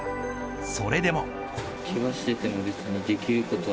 それでも。